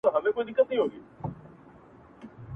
• د زړو شرابو ډکي دوې پیالې دي,